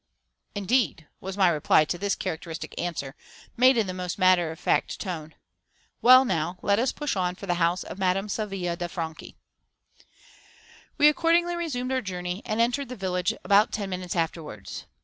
"Indeed!" was my reply to this characteristic answer, made in the most matter of fact tone. "Well, now, let us push on for the house of Madame Savilia de Franchi." We accordingly resumed our journey, and entered the village about ten minutes afterwards.